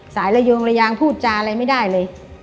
ระยงระยางพูดจาอะไรไม่ได้เลย